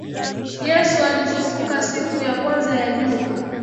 Yesu alifufukaka siku ya kwanza ya juma